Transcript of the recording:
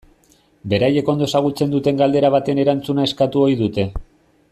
Beraiek ondo ezagutzen duten galdera baten erantzuna eskatu ohi dute.